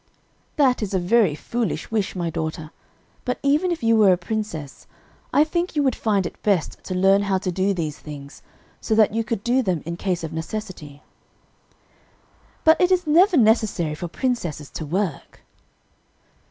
"That is a very foolish wish, my daughter, but even if you were a princess, I think you would find it best to learn how to do these things, so that you could do them in case of necessity." "But it is never necessary for princesses to work."